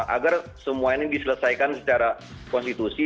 agar semua ini diselesaikan secara konstitusi